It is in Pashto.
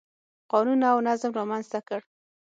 قانون او نظم رامنځته کړ.